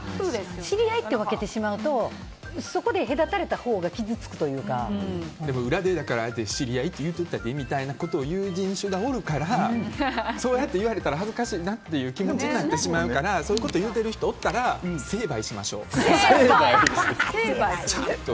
知り合いってしてるとそこで隔たれたほうが裏で知り合いって言っとったでみたいなことを言う人種がおるから、そう言われたら恥ずかしいなっていう気持ちになってしまうからそういうこと言っている人がおったら成敗しましょう。